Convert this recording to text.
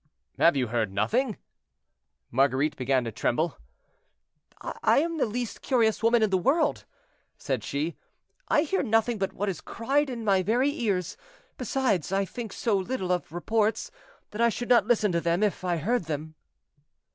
"Have you heard nothing?" Marguerite began to tremble. "I am the least curious woman in the world," said she, "I hear nothing but what is cried in my very ears. Besides, I think so little of reports, that I should not listen to them if I heard them."